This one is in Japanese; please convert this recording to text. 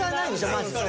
まず。